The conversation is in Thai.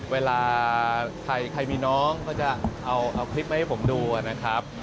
เวลาใครมีน้องก็จะเอาคลิปมาให้ผมดูนะครับ